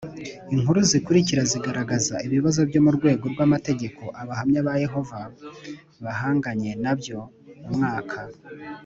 Inkuru zikurikira zigaragaza ibibazo byo mu rwego rw amategeko Abahamya ba Yehova bahanganye na byo umwaka